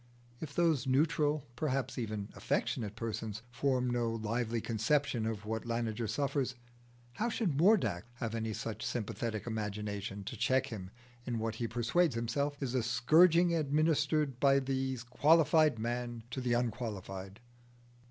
If those neutral, perhaps even affectionate persons, form no lively conception of what Laniger suffers, how should Mordax have any such sympathetic imagination to check him in what he persuades himself is a scourging administered by the qualified man to the unqualified?